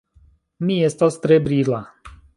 Mi estas tre brila.